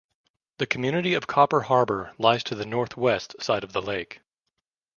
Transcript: The community of Copper Harbor lies to the north west side of the lake.